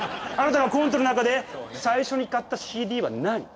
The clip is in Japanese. あなたがコントの中で「最初に買ったＣＤは何？」。